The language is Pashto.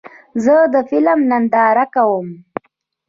زه د فلم ننداره کوم.